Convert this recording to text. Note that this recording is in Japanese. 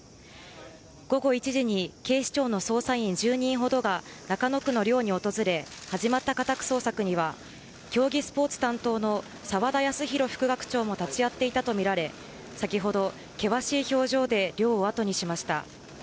午後１時に警視庁の捜査員１０人ほどが中野区の寮に入り始まった家宅捜索では競技スポーツ担当の澤田康広副学長も立ち会っていたとみられ先ほど険しい表情で寮をあとにしました。